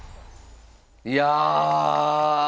いや。